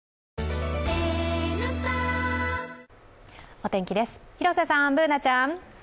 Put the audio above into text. お天気です、広瀬さん、Ｂｏｏｎａちゃん。